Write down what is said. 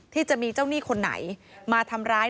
ที่จะมีเจ้าหนี้คนไหนมาทำร้าย